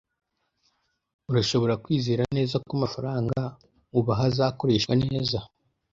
Urashobora kwizera neza ko amafaranga ubaha azakoreshwa neza